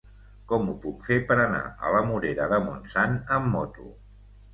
Com ho puc fer per anar a la Morera de Montsant amb moto?